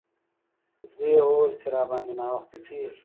زوی یې وویل چې راباندې ناوخته کیږي.